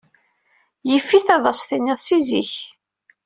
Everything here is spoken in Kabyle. Yif-it ad as-tiniḍ si zik.